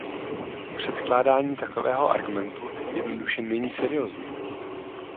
Předkládání takového argumentu jednoduše není seriózní.